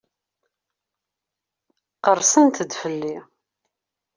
Qerrsent-d fell-i.